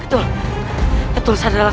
ketul ketul sadarlah ketul